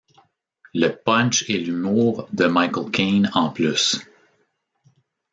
Le punch et l’humour de Michael Caine en plus.